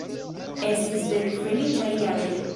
Estis dek feliĉaj jaroj.